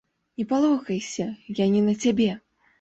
Не палохайся, я не на цябе!